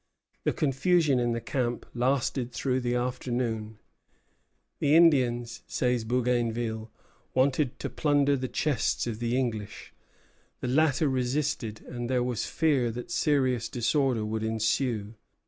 The confusion in the camp lasted through the afternoon. "The Indians," says Bougainville, "wanted to plunder the chests of the English; the latter resisted; and there was fear that serious disorder would ensue.